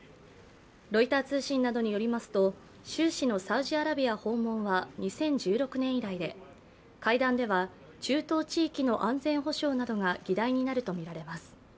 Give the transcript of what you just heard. ロイター通信などによりますと習氏のサウジアラビア訪問は２０１６年以来で、会談では中東地域の安全保障などが議題になるとみられます。